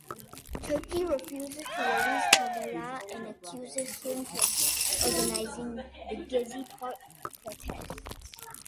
Turkey refuses to release Kavala and accuses him for organizing the Gezi Park protests.